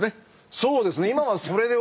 そうですね。